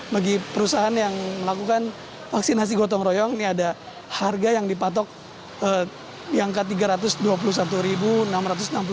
bagi perusahaan yang melakukan vaksinasi gotong rayong ini ada harga yang dipatok di angka rp tiga ratus